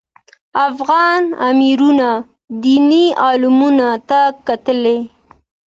افغان امیرانو دیني عالمانو ته کتلي.